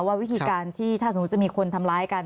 วิธีการที่ถ้าสมมุติจะมีคนทำร้ายกัน